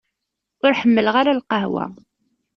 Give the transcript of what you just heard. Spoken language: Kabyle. Ur ḥemmleɣ ara lqahwa.